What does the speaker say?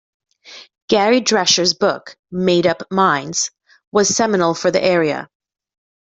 Gary Drescher's book 'Made-up Minds' was seminal for the area.